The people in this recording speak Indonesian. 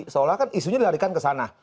seolah kan isunya dilarikan ke sana